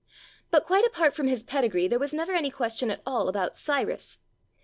But, quite apart from his pedigree, there was never any question at all about Cyrus.